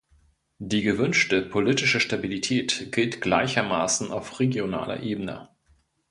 Die gewünschte politische Stabilität gilt gleichermaßen auf regionaler Ebene.